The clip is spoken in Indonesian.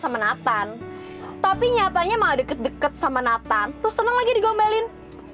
sama nathan tapi nyatanya mau deket deket sama nathan terus seneng lagi digombelin